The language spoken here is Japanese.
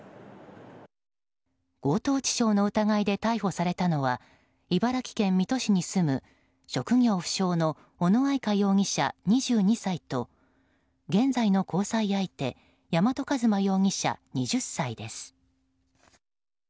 強盗致傷の疑いで逮捕されたのは茨城県水戸市に住む職業不詳の小野愛佳容疑者、２２歳と現在の交際相手山戸一磨容疑者、２０歳です。